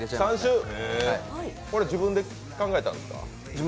これは自分で考えたんですか？